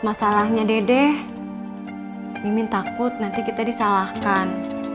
masalahnya dedek mimin takut nanti kita di salahkan